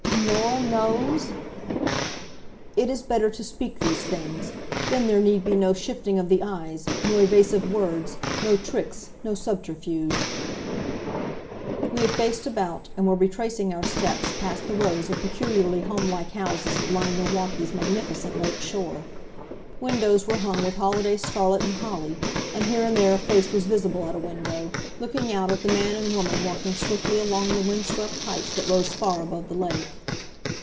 "Norah knows!" "It is better to speak these things. Then there need be no shifting of the eyes, no evasive words, no tricks, no subterfuge." We had faced about and were retracing our steps, past the rows of peculiarly home like houses that line Milwaukee's magnificent lake shore. Windows were hung with holiday scarlet and holly, and here and there a face was visible at a window, looking out at the man and woman walking swiftly along the wind swept heights that rose far above the lake.